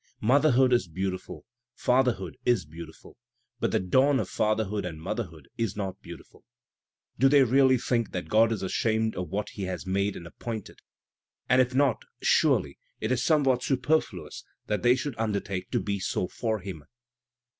Motherhood is beautiful, fatherhood is beautiful; but the dawn of fatherhood and motherhood is not beautiful.' Do th^ really think that God is ashamed of what He has made and appointed? And, if not, siu^ly it is somewhat superfluous that they should undertake to be so for Him.